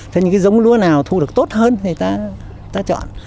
thế nhưng cái giống lúa nào thu được tốt hơn thì ta ta chọn